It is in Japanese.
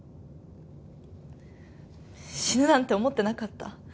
死ぬなんて思ってなかった。